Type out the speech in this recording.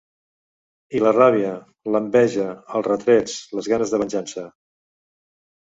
I la ràbia, l’enveja, els retrets, les ganes de venjança.